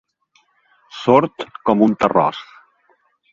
Sord com un terròs.